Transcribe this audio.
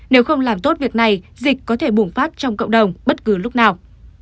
nếu không làm tốt việc này dịch có thể bùng phát trong cộng đồng bất cứ lúc nào